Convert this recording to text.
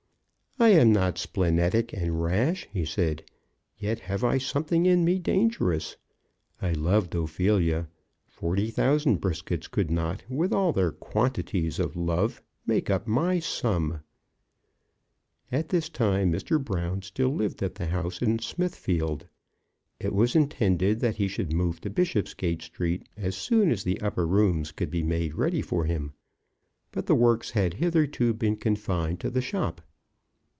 "I am not splenetic and rash," he said; "yet have I something in me dangerous. I loved Ophelia. Forty thousand Briskets could not, with all their quantities of love, make up my sum." At this time Mr. Brown still lived at the house in Smithfield. It was intended that he should move to Bishopsgate Street as soon as the upper rooms could be made ready for him, but the works had hitherto been confined to the shop.